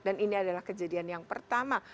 dan ini adalah kejadian yang pertama